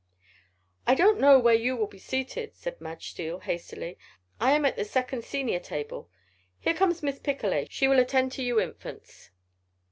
"I don't know where you will be seated," said Madge Steele, hastily. "I am at the second Senior table. Here comes Miss Picolet. She will attend to you Infants."